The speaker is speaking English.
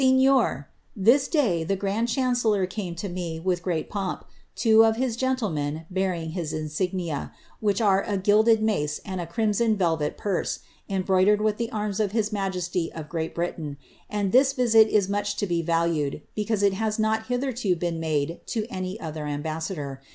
"Srnlior, — This da/ the grand clmnceUor came to tee ine with gmt poinp^ two of his gentlemen bearinjiC Iiis in>iKiiia, which are a gilded mace and m erim unn velvet purse, embroidered with the arms of his mi^sty of Great Britain, and this visit is miich to be valued, because it has not hitherto been made to aoj other ambassador.